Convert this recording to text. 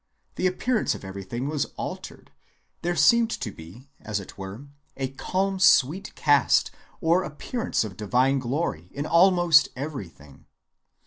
The appearance of everything was altered; there seemed to be, as it were, a calm, sweet cast, or appearance of divine glory, in almost everything.